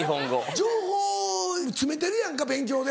情報を詰めてるやんか勉強で。